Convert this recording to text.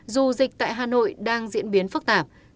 dù dịch tại hà nội đang diễn biến phức tạp